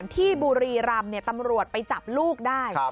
ที่บุรีรำตำรวจไปจับลูกได้